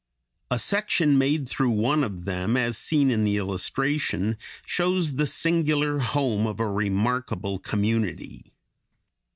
A section made through one of them, as seen in the illustration, shows the singular home of a remarkable community.